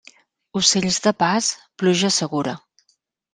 Ocells de pas, pluja segura.